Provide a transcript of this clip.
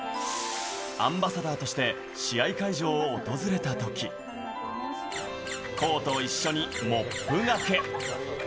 アンバサダーとして試合会場を訪れたとき、コートを一緒にモップがけ。